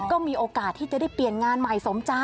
ก็มีโอกาสที่จะได้เปลี่ยนงานใหม่สมใจ